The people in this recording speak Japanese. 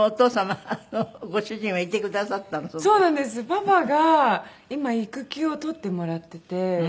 パパが今育休を取ってもらってて。